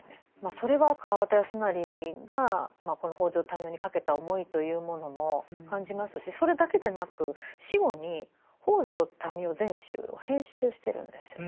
それは川端康成がこの北條民雄にかけた思いというものも感じますしそれだけでなく死後に「北條民雄全集」を編集してるんですよね。